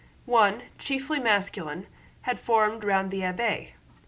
One, chiefly masculine, had formed round the abbé.